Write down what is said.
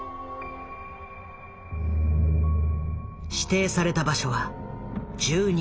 指定された場所は１２番。